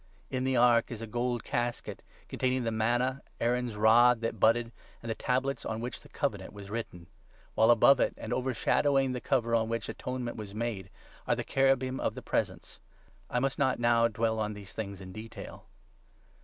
In the Ark is a gold casket containing the m anna, Aaron's rod that budded, and the tablets on which the Covenant was written ; while above it, and overshadowing the Cover on 5 which atonement was made, are the Cherubim of the Presence. But I must not now dwell on these things in detail.